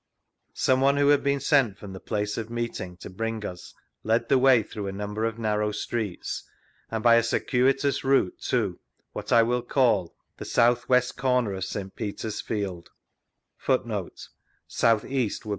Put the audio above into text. Someone who had been sent from the [^ace of Ineeting to bring us led the way through a number of narrow streets and by a circuitous route to (what I will call) the South west* comer of St. Peter's field.